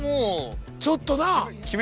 ちょっとな。